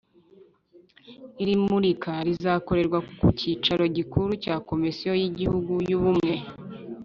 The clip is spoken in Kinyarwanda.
Iri murika rizakorerwa ku cyicaro gikuru cya Komisiyo y Igihugu y Ubumwe